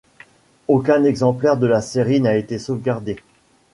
Aucun exemplaire de la série n'a été sauvegardé.